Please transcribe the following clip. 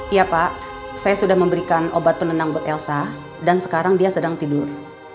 iya pak saya sudah memberikan obat penenang buat elsa dan sekarang dia sedang tidur